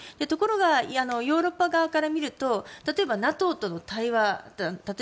ところがヨーロッパ側から見ると例えばＮＡＴＯとの対話